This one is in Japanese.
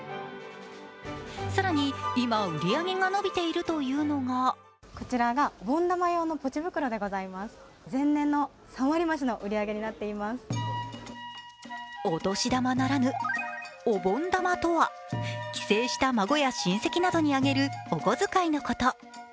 更に今、売り上げが伸びているというのがお年玉ならぬ、お盆玉とは、帰省した孫や親戚などにあげるお小遣いのこと。